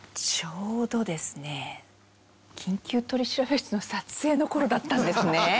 ちょうどですね『緊急取調室』の撮影の頃だったんですね。